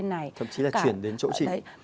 thậm chí là chuyển đến chỗ chị